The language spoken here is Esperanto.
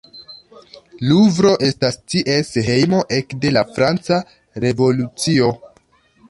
Luvro estas ties hejmo ekde la Franca Revolucio.